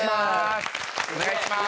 お願いします。